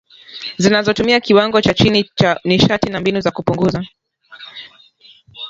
zinazotumia kiwango cha chini cha nishati na mbinu za kupunguza